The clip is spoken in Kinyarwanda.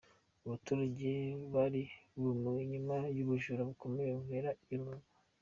Abaturage bari bumiwe nyuma y'ubujura bukomeje kubera i Rubavu.